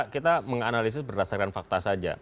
kita menganalisis berdasarkan fakta saja